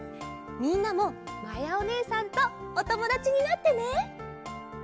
みんなもまやおねえさんとおともだちになってね。